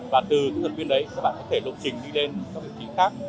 và từ kỹ thuật viên đấy các bạn có thể lộ trình đi lên các vị trí khác